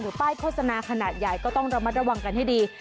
ป้ายโฆษณาขนาดใหญ่ก็ต้องระมัดระวังกันให้ดี